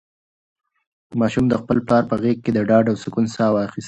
ماشوم د خپل پلار په غېږ کې د ډاډ او سکون ساه واخیسته.